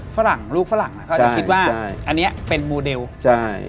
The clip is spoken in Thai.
ฝรั่งลูกฝรั่งค่ะเขาก็คิดว่าใช่ใช่อันนี้เป็นมูเดลใช่